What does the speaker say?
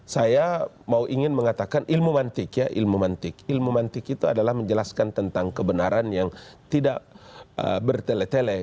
saya mau ingin mengatakan ilmu mantik ya ilmu mantik ilmu mantik itu adalah menjelaskan tentang kebenaran yang tidak bertele tele